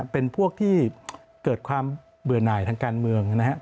เป็นพวกที่เกิดความเบื่อหน่ายทางการเมืองนะครับ